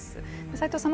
齊藤さん